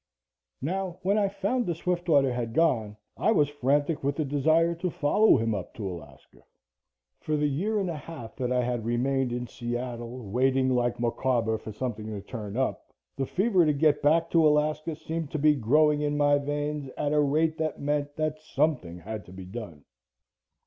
Now, when I found that Swiftwater had gone, I was frantic with the desire to follow him up to Alaska. For the year and a half that I had remained in Seattle, waiting like Micawber for something to turn up, the fever to get back to Alaska seemed to be growing in my veins at a rate that meant that something had to be done.